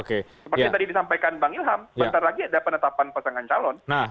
seperti yang tadi disampaikan bang ilham sebentar lagi ada penetapan pasangan calon